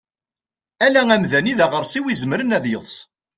Ala amdan i daɣersiw izemren ad yeḍs.